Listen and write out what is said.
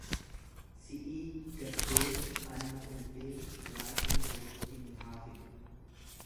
"""Si'ii gaddeemu anaa ol deemuu waaqni walitti nu haa fidu."""